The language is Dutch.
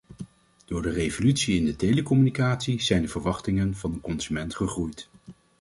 Door de revolutie in de telecommunicatie zijn de verwachtingen van de consument gegroeid.